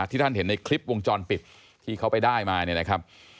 ที่ท่านเห็นในคลิปวงจรปิดที่เขาไปได้มาเนี่ยนะครับ